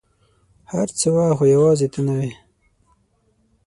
هر څه وه ، خو یوازي ته نه وې !